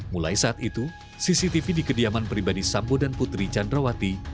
mulai saat itu cctv di kediaman pribadi sambodan putri chandrawati